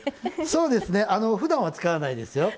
そうですねふだんは使わないですよ。